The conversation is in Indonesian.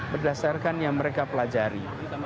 berdasarkan yang mereka pelajari